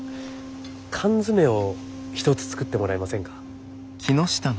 缶詰を一つ作ってもらえませんか？